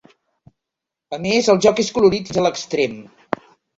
A més, el joc és colorit fins a l'extrem".